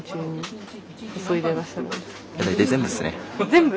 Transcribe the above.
全部？